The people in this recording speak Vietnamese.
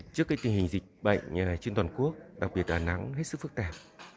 trước cái tình hình dịch bệnh như này trên toàn quốc đặc biệt đà nẵng hết sức phức tạp